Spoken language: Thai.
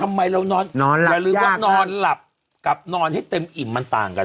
ทำไมเรานอนหลับอย่าลืมว่านอนหลับกับนอนให้เต็มอิ่มมันต่างกัน